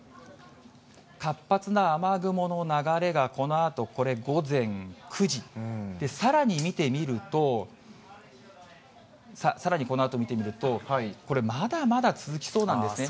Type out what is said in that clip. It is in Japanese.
活発な雨雲の流れが、このあと午前９時、さらに見てみると、さらにこのあと見てみると、これ、まだまだ続きそうなんですね。